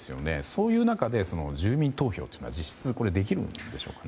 そういう中で住民投票は実質できるんでしょうか。